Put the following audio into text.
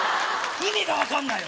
意味が分かんないよ！